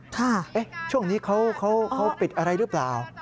ช่วงนี้เขาปิดอะไรหรือเปล่า